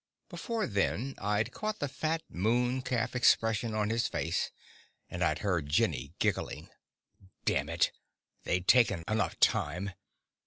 Before then I'd caught the fat moon calf expression on his face, and I'd heard Jenny giggling. Damn it, they'd taken enough time.